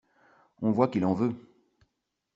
On voit qu’il en veut.